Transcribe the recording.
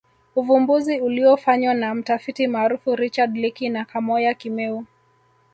Uvumbuzi uliofanywa na mtafiti maarufu Richard Leakey na Kamoya Kimeu